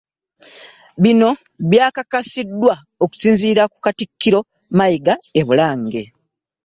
Bino byakakasiddwa okusinziira ku katikkiro Mayiga e Bulange.